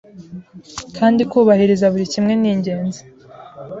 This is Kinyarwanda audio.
kandi kubahiriza buri kimwe ningenzi